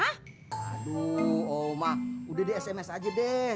aduh oma udah deh sms aja deh